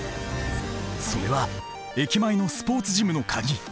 それは駅前のスポーツジムの鍵。